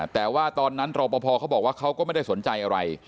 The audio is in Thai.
แต่ว่าตอนนั้นรอปภเขาบอกว่าเขาก็ไม่ได้สนใจอะไร